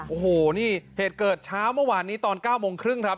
โอ้โหนี่เหตุเกิดเช้าเมื่อวานนี้ตอน๙โมงครึ่งครับ